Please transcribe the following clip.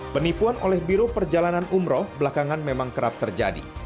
penipuan oleh biro perjalanan umroh belakangan memang kerap terjadi